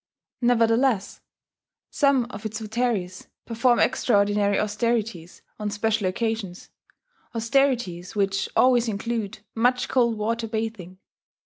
Nevertheless, some of its votaries perform extraordinary austerities on special occasions, austerities which always include much cold water bathing.